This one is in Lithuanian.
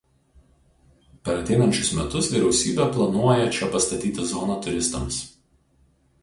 Per ateinančius metus vyriausybe planuoja čia pastatyti zoną turistams.